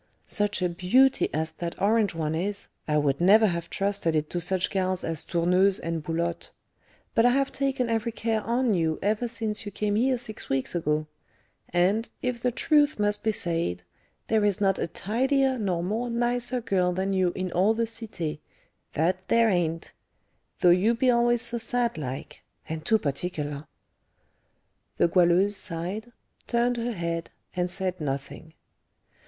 Such a beauty as that orange one is, I would never have trusted it to such gals as Tourneuse and Boulotte; but I have taken every care on you ever since you came here six weeks ago; and, if the truth must be said, there is not a tidier nor more nicer girl than you in all the Cité; that there ain't; though you be al'ays so sad like, and too particular." The Goualeuse sighed, turned her head, and said nothing.